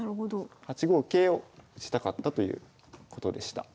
８五桂をしたかったということでした。